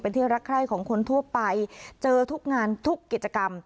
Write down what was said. ที่รักใคร่ของคนทั่วไปเจอทุกงานทุกกิจกรรม